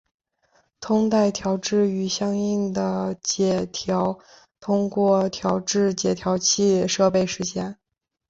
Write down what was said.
通带调制与相应的解调通过调制解调器设备实现。